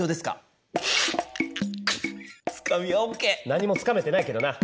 何もつかめてないけどな。